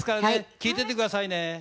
聴いていてくださいね。